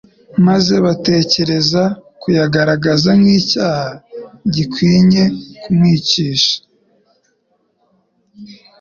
maze batekereza kuyagaragaza nk'icyaha gikwinye kumwicisha.